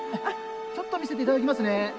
ちょっと診せていただきますね。